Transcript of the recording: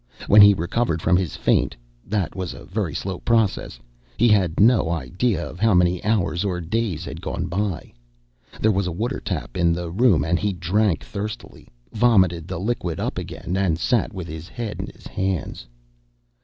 When he recovered from his faint that was a very slow process he had no idea of how many hours or days had gone by. There was a water tap in the room and he drank thirstily, vomited the liquid up again, and sat with his head in his hands.